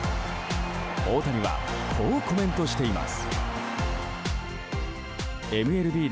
大谷はこうコメントしています。